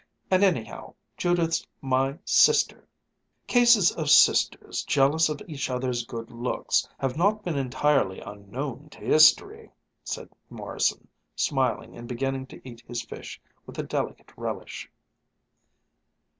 And anyhow, Judith's my sister." "Cases of sisters, jealous of each other's good looks, have not been entirely unknown to history," said Morrison, smiling and beginning to eat his fish with a delicate relish.